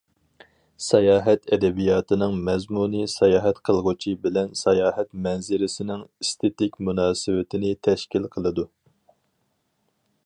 ساياھەت ئەدەبىياتىنىڭ مەزمۇنى ساياھەت قىلغۇچى بىلەن ساياھەت مەنزىرىسىنىڭ ئېستېتىك مۇناسىۋىتىنى تەشكىل قىلىدۇ.